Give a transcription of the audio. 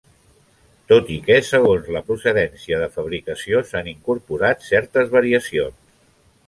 Tot i que segons la procedència de fabricació s'han incorporat certes variacions.